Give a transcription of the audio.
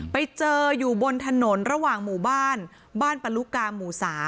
ไปเจออยู่บนถนนระหว่างหมู่บ้านบ้านปะลุกาหมู่๓